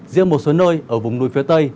riêng một số nơi ở vùng núi phía tây